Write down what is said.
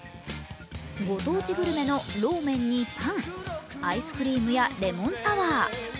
ご当地グルメのローメンにパン、アイスクリームやレモンサワー。